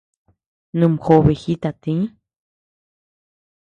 Numjobe jita tï.